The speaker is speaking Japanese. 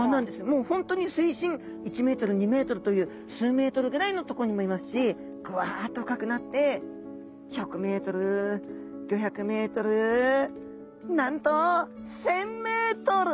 もう本当に水深１ｍ２ｍという数ｍぐらいのとこにもいますしグワッと深くなって１００ｍ５００ｍなんと１，０００ｍ！